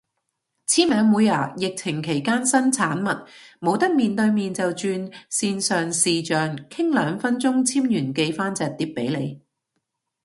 簽名會啊，疫情期間新產物，冇得面對面就轉線上視象，傾兩分鐘簽完寄返隻碟俾你